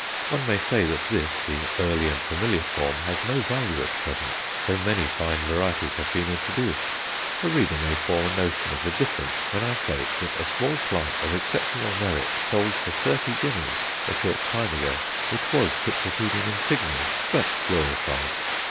One may say that this, the early and familiar form, has no value at present, so many fine varieties have been introduced. A reader may form a notion of the difference when I state that a small plant of exceptional merit sold for thirty guineas a short time ago it was C. insigne, but glorified.